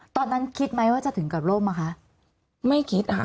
ตอนนั้นคิดไหมว่าจะถึงกลับโลกไหมคะ